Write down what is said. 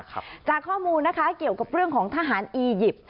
จากข้อมูลนะคะเกี่ยวกับเรื่องของทหารอียิปต์